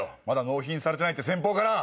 納品されてないって先方から。